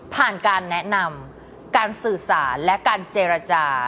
การแนะนำการสื่อสารและการเจรจา